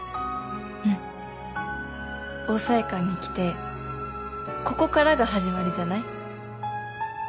うん桜彩館に来てここからが始まりじゃない？